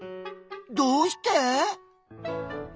どうして？